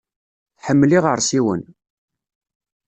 Tḥemmel iɣersiwen.